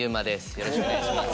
よろしくお願いします。